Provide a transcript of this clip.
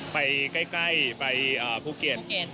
ไปใกล้ไปภูเกียร์